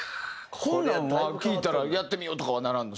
こんなのは聞いたらやってみようとかはならんの？